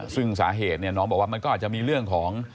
ซึ่งสาเหตุเนี่ยน้องบอกว่ามันก็อาจจะมีเรื่องของ